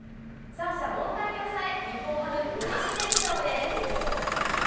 三者凡退に抑え、日本ハム３連勝です。